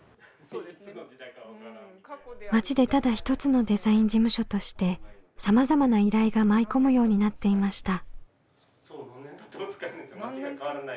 町でただ一つのデザイン事務所としてさまざまな依頼が舞い込むようになっていました。